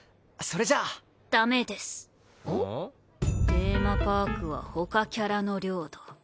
テーマパークは他キャラの領土。